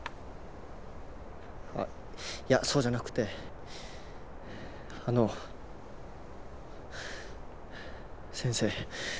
あっいやそうじゃなくてあの先生。